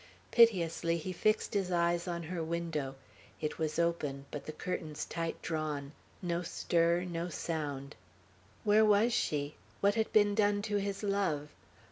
Piteously he fixed his eyes on her window; it was open, but the curtains tight drawn; no stir, no sound. Where was she? What had been done to his love?